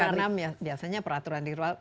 karena biasanya peraturan di luar